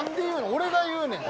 俺が言うねん。